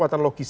ya ini bagus